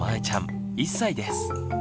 ちゃん１歳です。